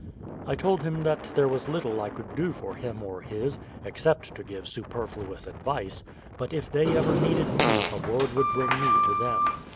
I told him that there was little I could do for him or his (except to give superfluous advice), but if they ever needed me a word would bring me to them.